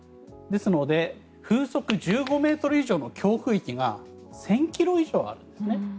ですので風速１５ｍ以上の強風域が１０００ｋｍ以上あるんですね。